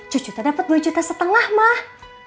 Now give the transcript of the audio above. cucu teh dapet dua juta setengah mah